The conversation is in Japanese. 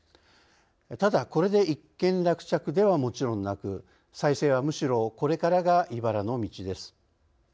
ただこれで一件落着ではもちろんなく再生はむしろこれからがいばらの道です。